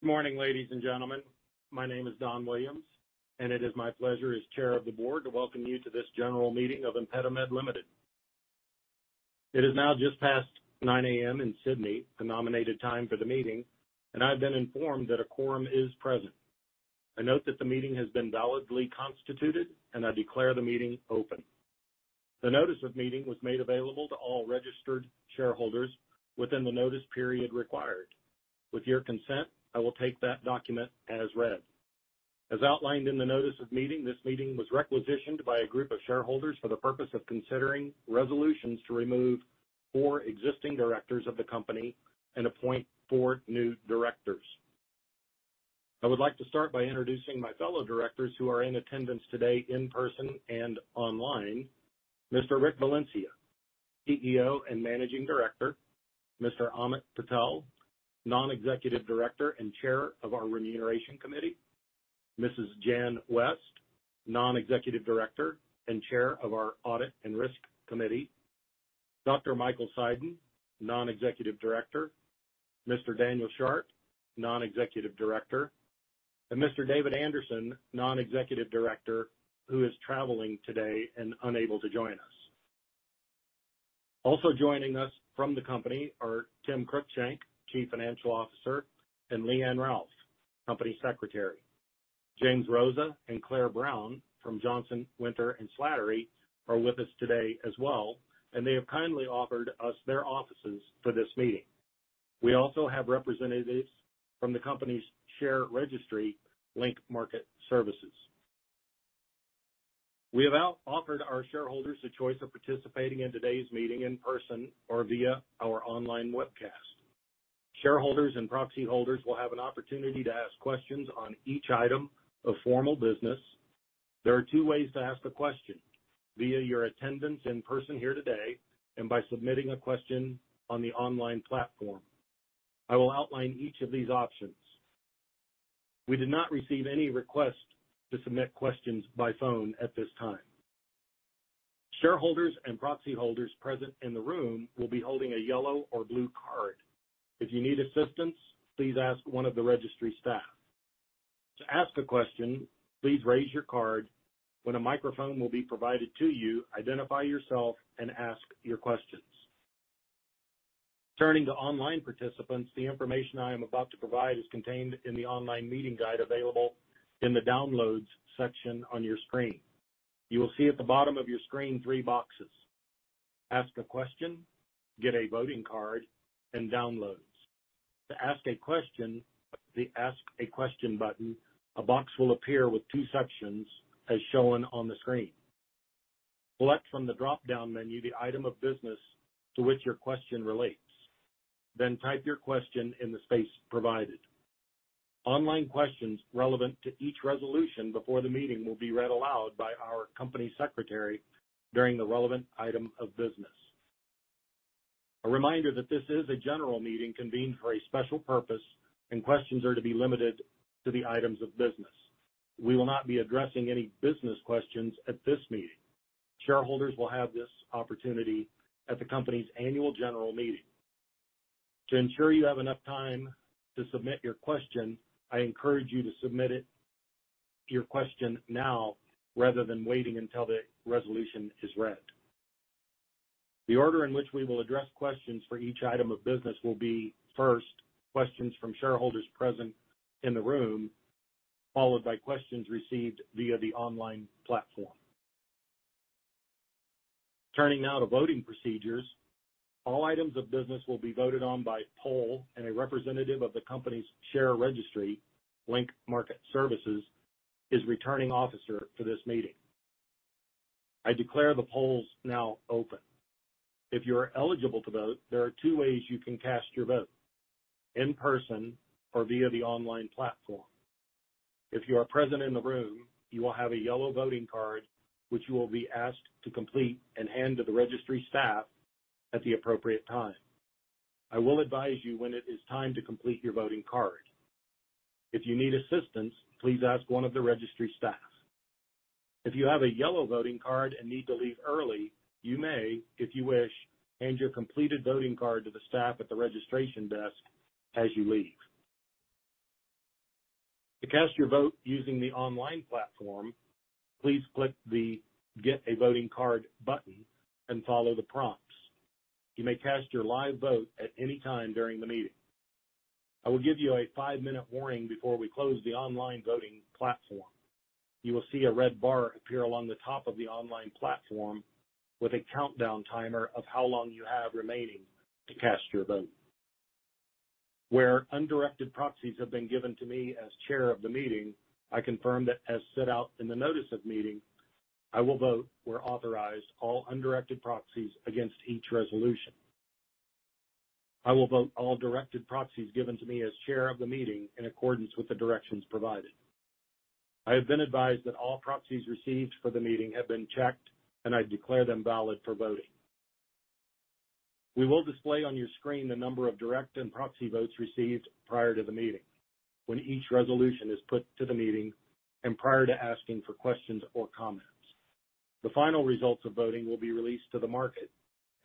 Good morning, ladies and gentlemen. My name is Don Williams, and it is my pleasure as Chair of the Board to welcome you to this general meeting of ImpediMed Limited. It is now just past 9:00 A.M. in Sydney, the nominated time for the meeting, and I've been informed that a quorum is present. I note that the meeting has been validly constituted, and I declare the meeting open. The notice of meeting was made available to all registered shareholders within the notice period required. With your consent, I will take that document as read. As outlined in the notice of meeting, this meeting was requisitioned by a group of shareholders for the purpose of considering resolutions to remove four existing directors of the company and appoint four new directors. I would like to start by introducing my fellow directors who are in attendance today in person and online. Mr. Rick Valencia, CEO and Managing Director, Mr. Amit Patel, Non-Executive Director and Chair of our Remuneration Committee, Mrs. Jan West, Non-Executive Director and Chair of our Audit and Risk Committee, Dr. Michael Seiden, Non-Executive Director, Mr. Daniel Sharp, Non-Executive Director, and Mr. David Anderson, Non-Executive Director, who is traveling today and unable to join us. Also joining us from the company are Tim Cruickshank, Chief Financial Officer, and Leanne Ralph, Company Secretary. James Rozsa and Claire Brown from Johnson Winter Slattery are with us today as well, and they have kindly offered us their offices for this meeting. We also have representatives from the company's share registry, Link Market Services. We have offered our shareholders the choice of participating in today's meeting in person or via our online webcast. Shareholders and proxy holders will have an opportunity to ask questions on each item of formal business. There are two ways to ask a question: via your attendance in person here today, and by submitting a question on the online platform. I will outline each of these options. We did not receive any request to submit questions by phone at this time. Shareholders and proxy holders present in the room will be holding a yellow or blue card. If you need assistance, please ask one of the registry staff. To ask a question, please raise your card. When a microphone will be provided to you, identify yourself and ask your questions. Turning to online participants, the information I am about to provide is contained in the online meeting guide available in the Downloads section on your screen. You will see at the bottom of your screen three boxes: Ask a Question, Get a Voting Card, and Downloads. To ask a question, the Ask a Question button, a box will appear with two sections as shown on the screen. Select from the dropdown menu the item of business to which your question relates, then type your question in the space provided. Online questions relevant to each resolution before the meeting will be read aloud by our Company Secretary during the relevant item of business. A reminder that this is a general meeting convened for a special purpose, and questions are to be limited to the items of business. We will not be addressing any business questions at this meeting. Shareholders will have this opportunity at the company's annual general meeting. To ensure you have enough time to submit your question, I encourage you to submit it, your question now, rather than waiting until the resolution is read. The order in which we will address questions for each item of business will be, first, questions from shareholders present in the room, followed by questions received via the online platform. Turning now to voting procedures, all items of business will be voted on by poll, and a representative of the company's share registry, Link Market Services, is Returning Officer for this meeting. I declare the polls now open. If you are eligible to vote, there are two ways you can cast your vote: in person or via the online platform. If you are present in the room, you will have a yellow voting card, which you will be asked to complete and hand to the registry staff at the appropriate time. I will advise you when it is time to complete your voting card. If you need assistance, please ask one of the registry staffs. If you have a yellow voting card and need to leave early, you may, if you wish, hand your completed voting card to the staff at the registration desk as you leave. To cast your vote using the online platform, please click the Get a Voting Card button and follow the prompts. You may cast your live vote at any time during the meeting. I will give you a five-minute warning before we close the online voting platform. You will see a red bar appear along the top of the online platform with a countdown timer of how long you have remaining to cast your vote. Where undirected proxies have been given to me as chair of the meeting, I confirm that, as set out in the notice of meeting, I will vote or authorize all undirected proxies against each resolution. I will vote all directed proxies given to me as chair of the meeting in accordance with the directions provided. I have been advised that all proxies received for the meeting have been checked, and I declare them valid for voting. We will display on your screen the number of direct and proxy votes received prior to the meeting, when each resolution is put to the meeting and prior to asking for questions or comments. The final results of voting will be released to the market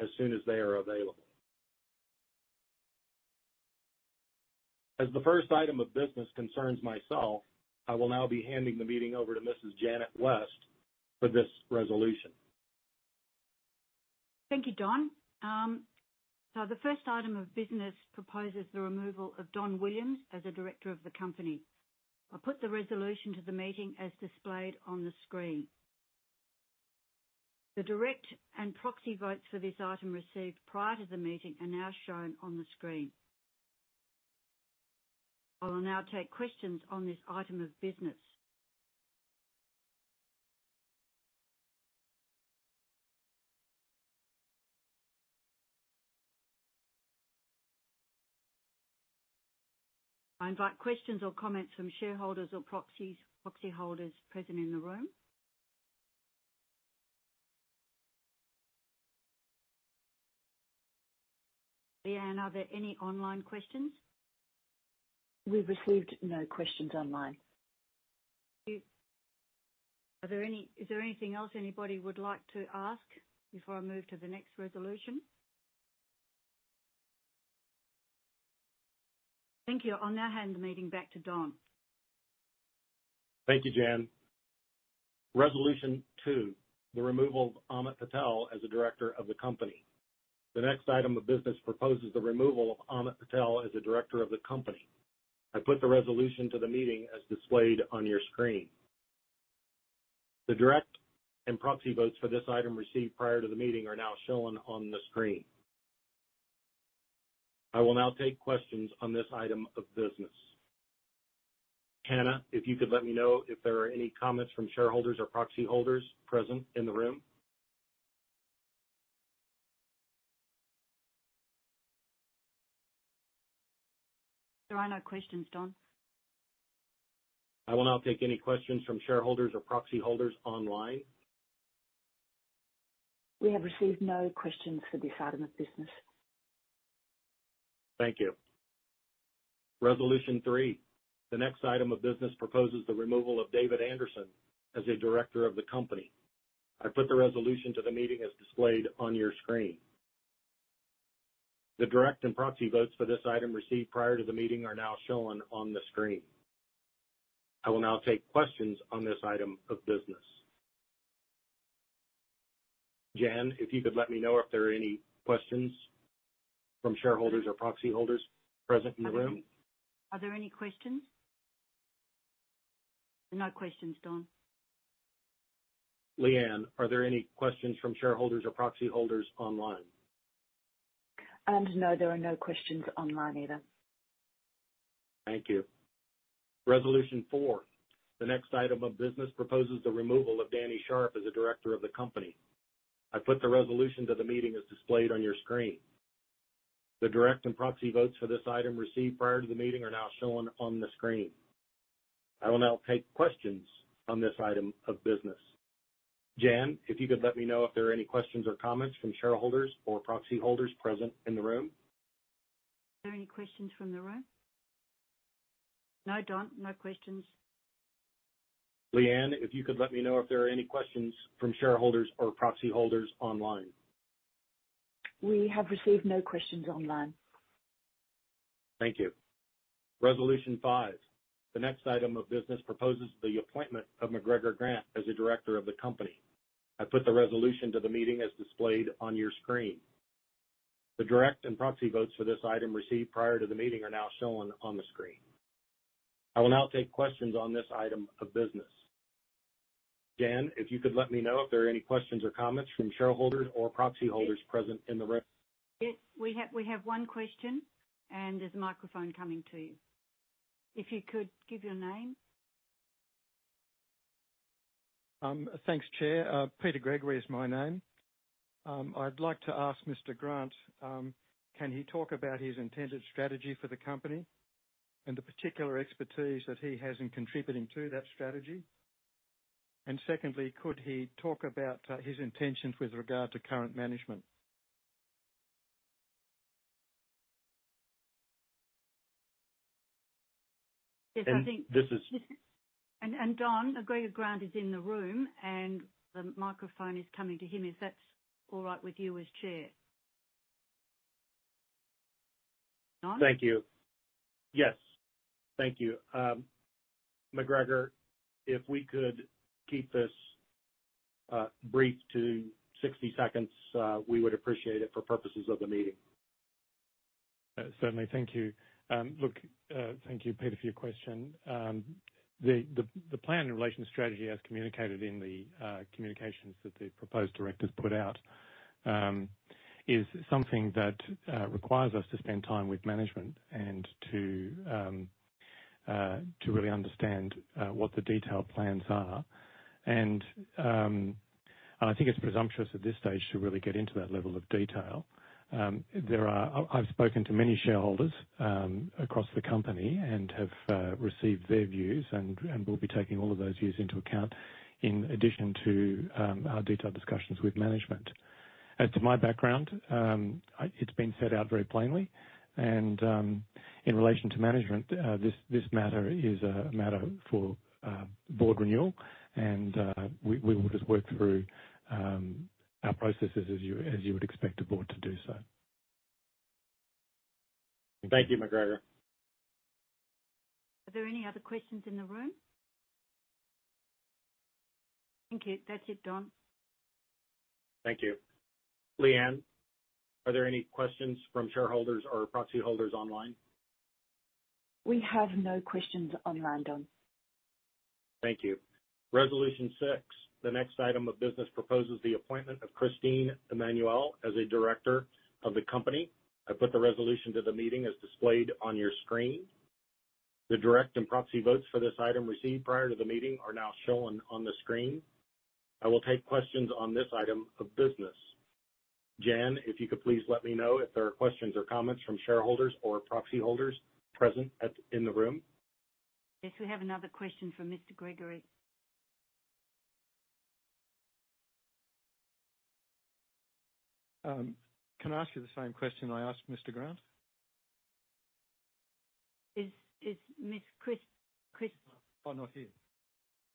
as soon as they are available. As the first item of business concerns myself, I will now be handing the meeting over to Mrs. Jan West for this resolution. Thank you, Don. So the first item of business proposes the removal of Don Williams as a director of the company. I put the resolution to the meeting as displayed on the screen. The direct and proxy votes for this item received prior to the meeting are now shown on the screen. I will now take questions on this item of business. I invite questions or comments from shareholders or proxies, proxy holders present in the room. Leanne, are there any online questions? We've received no questions online. Thank you. Is there anything else anybody would like to ask before I move to the next resolution? Thank you. I'll now hand the meeting back to Don. Thank you, Jan. Resolution two: the removal of Amit Patel as a director of the company. The next item of business proposes the removal of Amit Patel as a director of the company. I put the resolution to the meeting as displayed on your screen. The direct and proxy votes for this item received prior to the meeting are now shown on the screen. I will now take questions on this item of business. Hannah, if you could let me know if there are any comments from shareholders or proxy holders present in the room? There are no questions, Don. I will now take any questions from shareholders or proxy holders online. We have received no questions for this item of business. Thank you. Resolution three: The next item of business proposes the removal of David Anderson as a director of the company. I put the resolution to the meeting as displayed on your screen. The direct and proxy votes for this item received prior to the meeting are now shown on the screen. I will now take questions on this item of business. Jan, if you could let me know if there are any questions from shareholders or proxy holders present in the room? Are there any questions? No questions, Don. Leanne, are there any questions from shareholders or proxy holders online? No, there are no questions online either. Thank you. Resolution four: The next item of business proposes the removal of Daniel Sharp as a director of the company. I put the resolution to the meeting as displayed on your screen. The direct and proxy votes for this item received prior to the meeting are now shown on the screen. I will now take questions on this item of business. Jan, if you could let me know if there are any questions or comments from shareholders or proxy holders present in the room? Are there any questions from the room? No, Don, no questions. Leanne, if you could let me know if there are any questions from shareholders or proxy holders online. We have received no questions online. Thank you. Resolution five: The next item of business proposes the appointment of McGregor Grant as a director of the company. I put the resolution to the meeting as displayed on your screen. The direct and proxy votes for this item received prior to the meeting are now shown on the screen. I will now take questions on this item of business. Jan, if you could let me know if there are any questions or comments from shareholders or proxy holders present in the room? Yes, we have, we have one question, and there's a microphone coming to you. If you could give your name. Thanks, Chair. Peter Gregory is my name. I'd like to ask Mr. Grant, can he talk about his intended strategy for the company and the particular expertise that he has in contributing to that strategy? And secondly, could he talk about his intentions with regard to current management? Yes, I think- And this is- And, Don, McGregor Grant is in the room, and the microphone is coming to him, if that's all right with you as chair. Don? Thank you. Yes. Thank you. McGregor, if we could keep this brief to 60 seconds, we would appreciate it for purposes of the meeting. Certainly. Thank you. Look, thank you, Peter, for your question. The plan in relation to strategy, as communicated in the communications that the proposed directors put out, is something that requires us to spend time with management and to really understand what the detailed plans are. And I think it's presumptuous at this stage to really get into that level of detail. There are... I've spoken to many shareholders across the company and have received their views, and will be taking all of those views into account, in addition to our detailed discussions with management. As to my background, it's been set out very plainly. And in relation to management, this matter is a matter for board renewal. And, we will just work through our processes as you would expect a board to do so. Thank you, McGregor. Are there any other questions in the room? Thank you. That's it, Don. Thank you. Leanne, are there any questions from shareholders or proxy holders online? We have no questions online, Don. Thank you. Resolution six, the next item of business proposes the appointment of Christine Emmanuel as a director of the company. I put the resolution to the meeting as displayed on your screen. The direct and proxy votes for this item of business received prior to the meeting are now shown on the screen. I will take questions on this item of business. Jan, if you could please let me know if there are questions or comments from shareholders or proxy holders present at, in the room. Yes, we have another question from Mr. Gregory. Can I ask you the same question I asked Mr. Grant? Is Miss Christine- Oh, not here.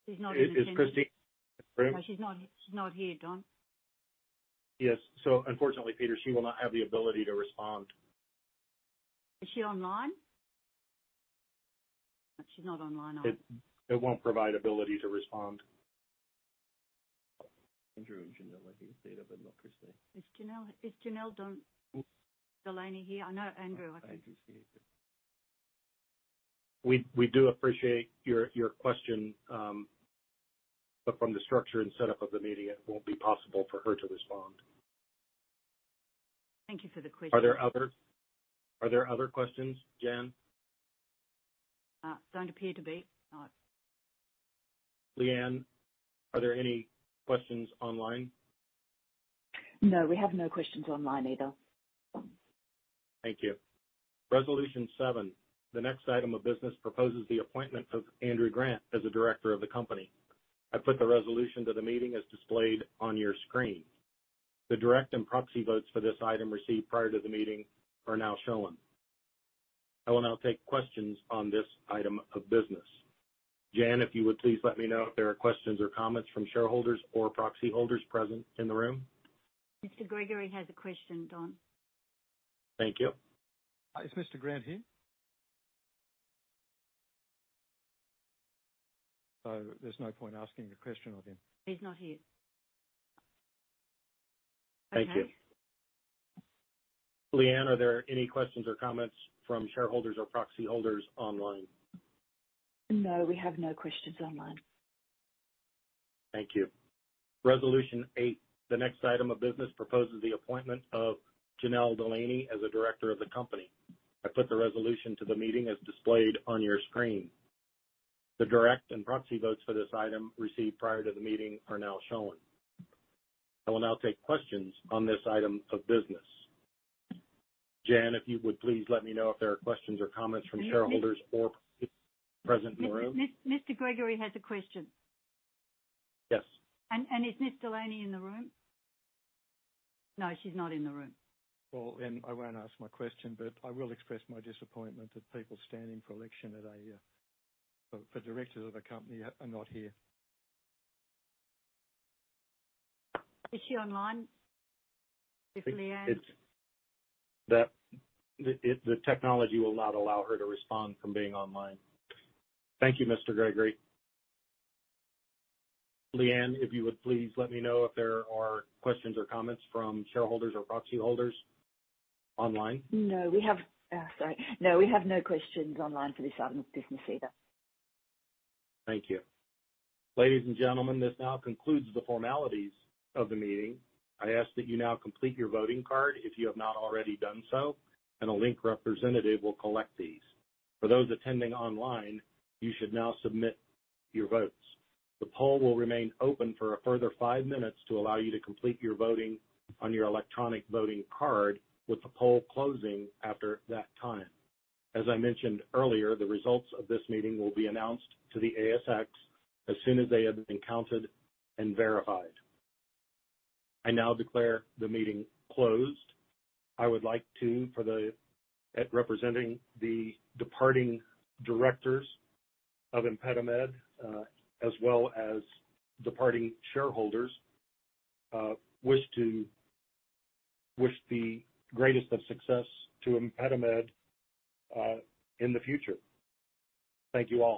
She's not here. Is Christine present? No, she's not, she's not here, Don. Yes. Unfortunately, Peter, she will not have the ability to respond. Is she online? She's not online either. It won't provide ability to respond. Andrew and Janelle are here, but not Christine. Is Janelle, is Janelle Delaney here? I know Andrew, I think. I can see her. We do appreciate your question, but from the structure and setup of the meeting, it won't be possible for her to respond. Thank you for the question. Are there other questions, Jan? Don't appear to be. No. Leanne, are there any questions online? No, we have no questions online either. Thank you. Resolution seven. The next item of business proposes the appointment of Andrew Grant as a director of the company. I put the resolution to the meeting as displayed on your screen. The direct and proxy votes for this item received prior to the meeting are now shown. I will now take questions on this item of business. Jan, if you would please let me know if there are questions or comments from shareholders or proxy holders present in the room. Mr. Gregory has a question, Don. Thank you. Is Mr. Grant here? So there's no point asking a question of him. He's not here. Thank you. Okay. Leanne, are there any questions or comments from shareholders or proxy holders online? No, we have no questions online. Thank you. Resolution eight. The next item of business proposes the appointment of Janelle Delaney as a director of the company. I put the resolution to the meeting as displayed on your screen. The direct and proxy votes for this item received prior to the meeting are now shown. I will now take questions on this item of business. Jan, if you would, please let me know if there are questions or comments from shareholders or present in the room. Mr. Gregory has a question. Yes. Is Ms. Delaney in the room? No, she's not in the room. Well, then I won't ask my question, but I will express my disappointment that people standing for election at a for directors of a company are not here. Is she online, Leanne? The technology will not allow her to respond from being online. Thank you, Mr. Gregory. Leanne, if you would, please let me know if there are questions or comments from shareholders or proxy holders online. Sorry. No, we have no questions online for this item of business either. Thank you. Ladies and gentlemen, this now concludes the formalities of the meeting. I ask that you now complete your voting card if you have not already done so, and a Link representative will collect these. For those attending online, you should now submit your votes. The poll will remain open for a further five minutes to allow you to complete your voting on your electronic voting card, with the poll closing after that time. As I mentioned earlier, the results of this meeting will be announced to the ASX as soon as they have been counted and verified. I now declare the meeting closed. I would like to, for the, at representing the departing directors of ImpediMed, as well as departing shareholders, wish to, wish the greatest of success to ImpediMed, in the future. Thank you all.